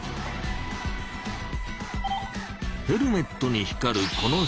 ヘルメットに光るこのシール。